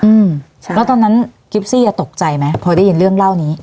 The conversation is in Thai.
อืมใช่แล้วตอนนั้นกิฟซี่อ่ะตกใจไหมพอได้ยินเรื่องเล่านี้